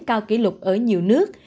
cao kỷ lục ở nhiều nước